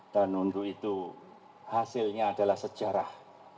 dan untuk itu hasilnya adalah sejarah